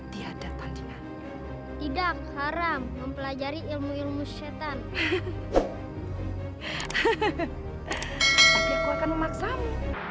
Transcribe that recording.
tiada tandingan tidak haram mempelajari ilmu ilmu syetan hehehe hehehe aku akan memaksamu